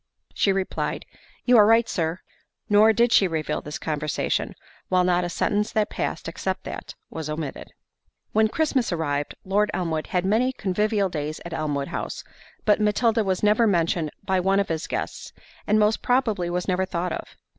She replied, "You are right, Sir." Nor did she reveal this conversation, while not a sentence that passed except that, was omitted. When Christmas arrived, Lord Elmwood had many convivial days at Elmwood House, but Matilda was never mentioned by one of his guests, and most probably was never thought of.